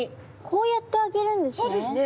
こうやってあげるんですね。